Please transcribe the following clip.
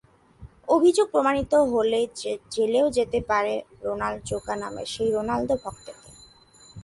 অভিযোগ প্রমাণিত হলে জেলেও যেতে হতে পারে রোনাল্ড জোকা নামের সেই রোনালদো-ভক্তকে।